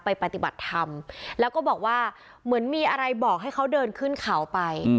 ปฏิบัติธรรมแล้วก็บอกว่าเหมือนมีอะไรบอกให้เขาเดินขึ้นเขาไป